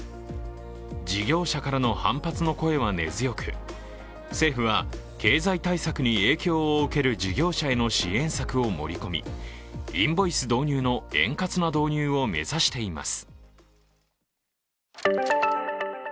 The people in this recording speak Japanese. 事業者からの反発の声は根強く、政府は経済対策に影響を受ける事業者への支援策を盛り込み、インボイス導入の円滑な導入を目指しています